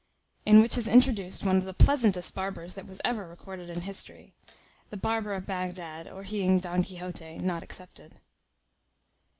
In which is introduced one of the pleasantest barbers that was ever recorded in history, the barber of Bagdad, or he in Don Quixote, not excepted.